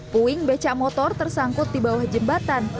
puing becak motor tersangkut di bawah jembatan